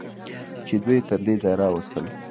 چې دوی یې تر دې ځایه راوستل.